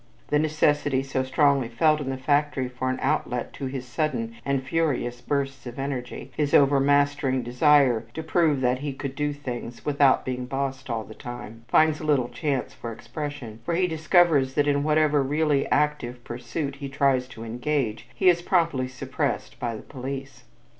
The necessity so strongly felt in the factory for an outlet to his sudden and furious bursts of energy, his overmastering desire to prove that he could do things "without being bossed all the time," finds little chance for expression, for he discovers that in whatever really active pursuit he tries to engage, he is promptly suppressed by the police.